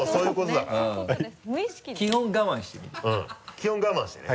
基本我慢してね。